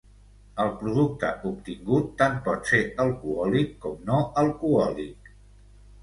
El producte obtingut tant pot ser alcohòlic com no alcohòlic.